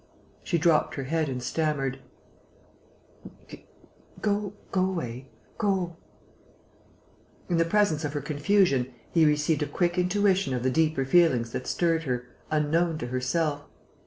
She dropped her head and stammered: "Go away ... go ..." In the presence of her confusion, he received a quick intuition of the deeper feelings that stirred her, unknown to herself.